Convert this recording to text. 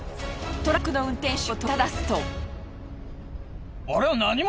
トラックの運転手を問いただすと。